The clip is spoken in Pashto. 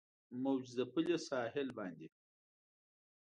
موج ځپلي ساحل باندې